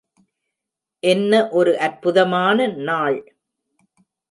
என்ன ஒரு அற்புதமான நாள்!